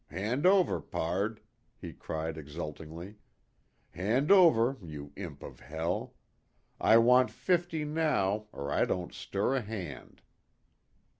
Hand over, pard," he cried exultingly. "Hand over, you imp of hell. I want fifty now, or I don't stir a hand.